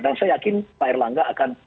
dan saya yakin pak erlangga akan